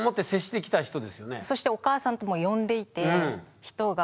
ずっとそしてお母さんとも呼んでいて人が。